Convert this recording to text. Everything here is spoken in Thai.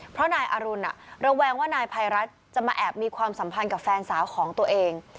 เพราะนายอรุณระแวงว่านายภัยรัฐจะมาแอบมีความสัมพันธ์กับแฟนสาวของตัวเอง